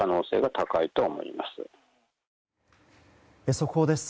速報です。